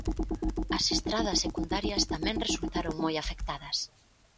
As estradas secundarias tamén resultaron moi afectadas.